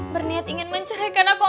berniat ingin menceraikan aku